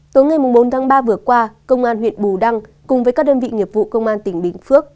tối ngày bốn tháng ba vừa qua công an huyện bù đăng cùng với các đơn vị nghiệp vụ công an tỉnh bình phước